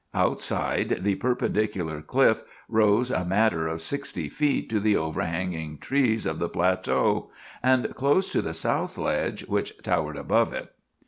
Outside, the perpendicular cliff rose a matter of sixty feet to the overhanging trees of the plateau, and close to the south ledge, which towered above it.